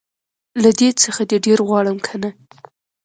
له دې څخه دي ډير غواړم که نه